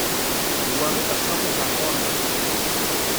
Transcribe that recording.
D wa i d asaḍuf ar ɣur-neɣ.